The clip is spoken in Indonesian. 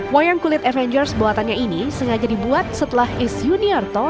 wayang kulit avengers buatannya ini sengaja dibuat setelah is yuniarto